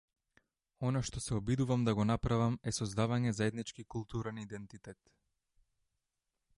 Она што се обидувам да го направам е создавање заеднички културен идентитет.